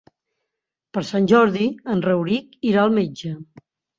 Per Sant Jordi en Rauric irà al metge.